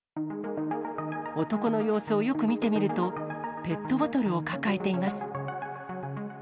男の様子をよく見てみると、ペットボトルを抱えています。